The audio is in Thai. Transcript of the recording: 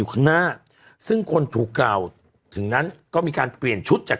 ข้างหน้าซึ่งคนถูกกล่าวถึงนั้นก็มีการเปลี่ยนชุดจาก